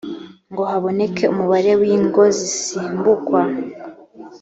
ngo haboneke umubare w ingo zisimbukwa